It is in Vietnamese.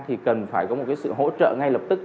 thì cần phải có một cái sự hỗ trợ ngay lập tức